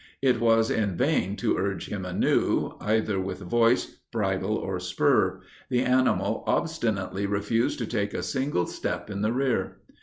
It was in vain to urge him anew, either with voice, bridle, or spur; the animal obstinately refused to take a single step in the rear.